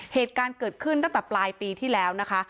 เหตุการณ์เกิดขึ้นตั้งแต่ปลายปีที่แล้วนะคะ